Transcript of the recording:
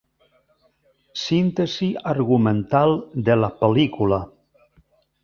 Síntesi argumental de la pel·lícula.